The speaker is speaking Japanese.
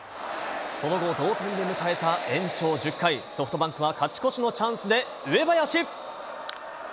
その後、同点で迎えた延長１０回、ソフトバンクは勝ち越しのチャンスで上林。